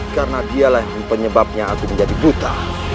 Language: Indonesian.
karena dialah yang penyebabnya aku menjadi buta